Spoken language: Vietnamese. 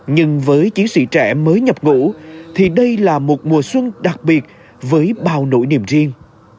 nhưng với chiến sĩ trẻ mới nhập ngủ thì đây là một mùa xuân đặc biệt với bao nỗi niềm riêng